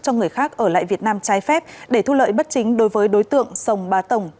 cho người khác ở lại việt nam trái phép để thu lợi bất chính đối với đối tượng sông ba tổng